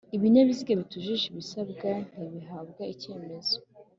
Ibinyabiziga bitujuje ibisabwa ntibihabwa icyemezo